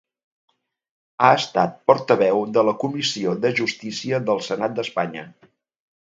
Ha estat portaveu de la Comissió de Justícia del Senat d'Espanya.